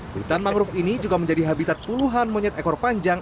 hutan mangrove ini juga menjadi habitat puluhan monyet ekor panjang